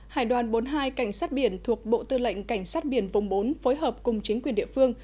hải đoàn bốn mươi hai cảnh sát biển thuộc bộ tư lệnh cảnh sát biển vùng bốn phối hợp cùng chính quyền địa phương